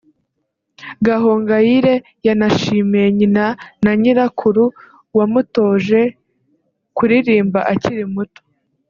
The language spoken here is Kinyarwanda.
Gahongayire yanashimiye nyina na nyirakuru wamutoje kuririmba akiri muto